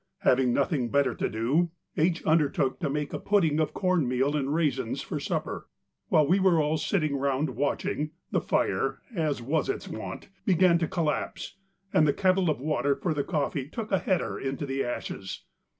Having nothing better to do, H. undertook to make a pudding of corn meal and raisins for supper. While we were all sitting round watching, the fire, as was its wont, began to collapse, and the kettle of water for the coffee took a header into the ashes.